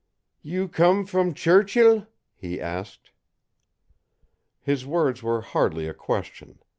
"You come from Churchill?" he asked. His words were hardly a question.